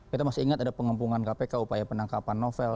kita masih ingat ada pengempungan kpk upaya penangkapan novel